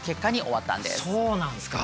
そうなんですか。